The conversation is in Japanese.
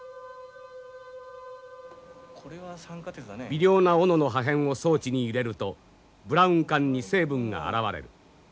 微量な斧の破片を装置に入れるとブラウン管に成分があらわれる。